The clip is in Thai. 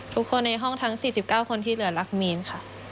ทุกคนในห้องทั้ง๔๙คนที่เหลือรักมีนค่ะ